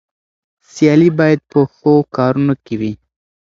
سيالي بايد په ښو کارونو کې وي.